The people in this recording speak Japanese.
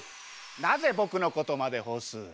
「なぜ僕のことまでほす」